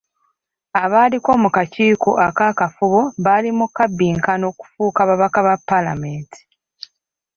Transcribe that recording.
Abaaliko mu kakiiko akakafubo bali mu kabbinkano kufuuka babaka ba paalamenti.